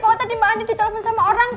pokok tadi mbak andin ditelepon sama orang